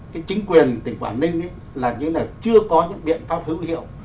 chính quyền tỉnh quảng ninh là như là chưa có những biện pháp hữu hiệu